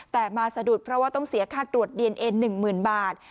แต่มาสะดุดเพราะว่าต้องเสียค่าตรวจดีเอนเอ็น๑๐๐๐บาท